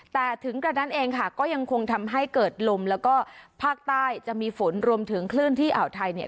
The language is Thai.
แต่ถึงกระนั้นเองค่ะก็ยังคงทำให้เกิดลมแล้วก็ภาคใต้จะมีฝนรวมถึงคลื่นที่อ่าวไทยเนี่ย